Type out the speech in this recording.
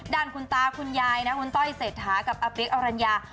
ด้านคุณตาคุณยายนะคุณต้อยเศรษฐากับอาเปี๊กอรัญญา